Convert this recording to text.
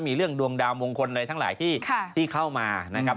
มีเรื่องดวงดาวมงคลอะไรทั้งหลายที่เข้ามานะครับ